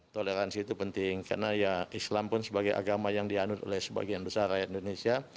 toleransi itu penting karena ya islam pun sebagai agama yang dianut oleh sebagian besar rakyat indonesia